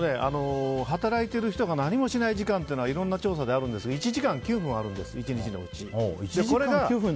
働いている人が何もしない時間というのはいろんな調査であるんですが１時間９分あるんです１日のうち。